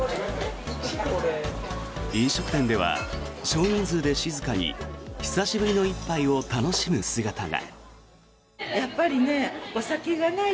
飲食店では少人数で静かに久しぶりの一杯を楽しむ姿が。